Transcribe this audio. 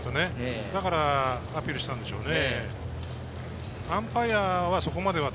だからアピールしたんでしょうね。